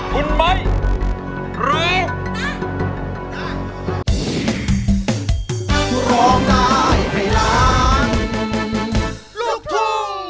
คุณมัยรู้